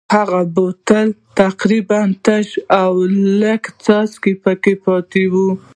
هغه بوتل تقریبا تش و او لږې څاڅکې پکې پاتې وې.